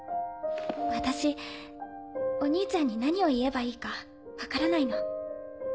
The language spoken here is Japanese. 私お兄ちゃんに何を言えばいいか分からないの。